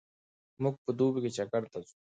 موږ په دوبي کې چکر ته ځو.